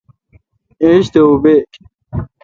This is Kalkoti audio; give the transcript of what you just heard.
ایج تھ اوں بیگ۔